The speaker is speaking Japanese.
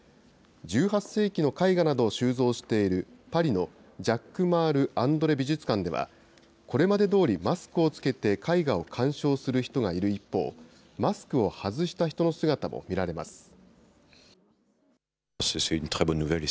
１８世紀の絵画などを収蔵している、パリのジャックマール・アンドレ美術館では、これまでどおりマスクを着けて絵画を鑑賞する人がいる一方、マスクを外した人の姿も見られます。